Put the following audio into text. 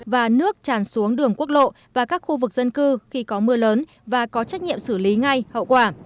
và nước tràn xuống đường quốc lộ và các khu vực dân cư khi có mưa lớn và có trách nhiệm xử lý ngay hậu quả